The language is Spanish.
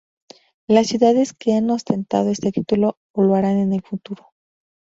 Las ciudades que han ostentado este título o lo harán en el futuro.